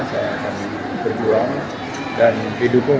saya akan berjuang dan didukung